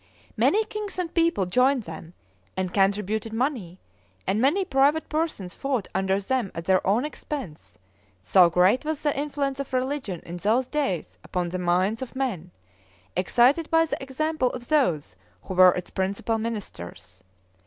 Many kings and people joined them, and contributed money; and many private persons fought under them at their own expense; so great was the influence of religion in those days upon the minds of men, excited by the example of those who were its principal ministers.